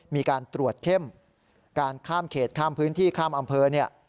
มีการตรวจเข้มการข้ามเขตข้ามพื้นที่ข้ามอำเภอเนี่ย